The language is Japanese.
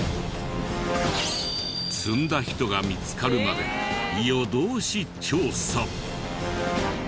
積んだ人が見つかるまで夜通し調査。